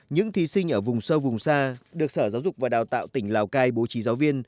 những thí sinh ở vùng sâu vùng xa được sở giáo dục và đào tạo tỉnh lào cai bố trí giáo viên